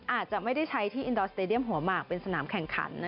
อาจจะไม่ได้ใช้ที่อินดอร์สเตดียมหัวหมากเป็นสนามแข่งขัน